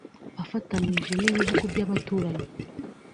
afatanije n’ibihugu by’abaturanyi